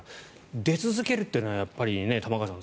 出続けるってのは玉川さん